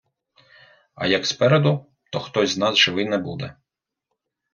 А як спереду, то хтось з нас живий не буде...